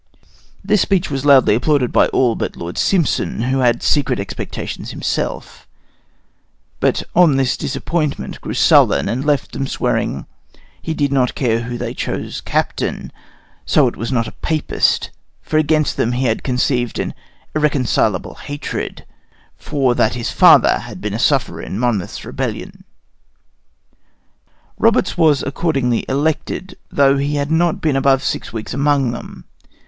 This speech was loudly applauded by all but Lord Sympson, who had secret expectations himself, but on this disappointment grew sullen and left them, swearing "he did not care who they chose captain so it was not a papist, for against them he had conceived an irreconcilable hatred, for that his father had been a sufferer in Monmouth's rebellion." Roberts was accordingly elected, though he had not been above six weeks among them.